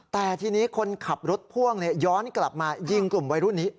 แต่ทีนี้คนขับรถพ่วงย้อนกลับมายิงกลุ่มวัยรุ่นนี้